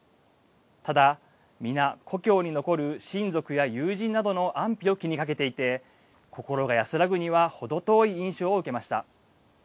ただ、皆、故郷に残る親族や友人などの安否を気にかけていて心が安らぐには建畠さん。